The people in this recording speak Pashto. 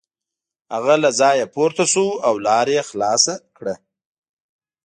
هغه له ځایه پورته شو او لار یې خلاصه کړه.